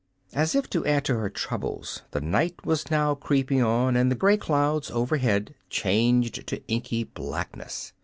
As if to add to her troubles the night was now creeping on, and the gray clouds overhead changed to inky blackness.